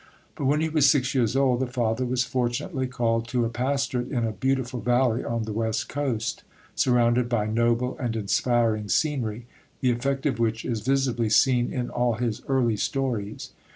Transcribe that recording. But when he was six years old, the father was fortunately called to a pastorate in a beautiful valley on the west coast, surrounded by noble and inspiring scenery, the effect of which is visibly seen in all his early stories.